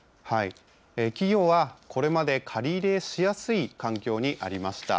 企業はこれまで、借り入れしやすい環境にありました。